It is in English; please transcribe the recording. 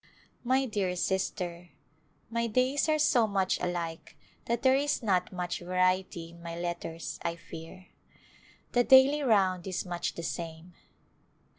My dear Sister : My days are so much alike that there is not much variety in my letters, I fear. The daily round is much the same.